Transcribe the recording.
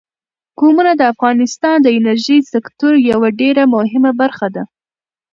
قومونه د افغانستان د انرژۍ سکتور یوه ډېره مهمه برخه ده.